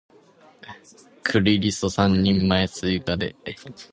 クリリソ三人前追加で